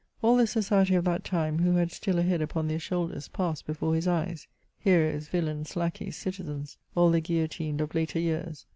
All the society of that time, who had still a head upon their shoulders, passed hefore his eyes :— heroes, yiUains, lacqueys, citizens — all the guillotined of later years.